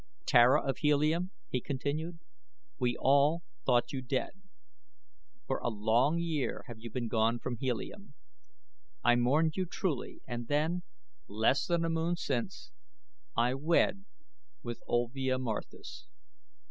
"Tara of Helium," he continued, "we all thought you dead. For a long year have you been gone from Helium. I mourned you truly and then, less than a moon since, I wed with Olvia Marthis."